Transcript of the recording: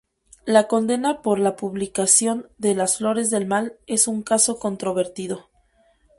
La condena por la publicación de "Las flores del mal" es un caso controvertido.